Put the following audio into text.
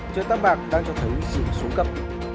chợ tắp bạc đang cho thấy sử dụng số cấp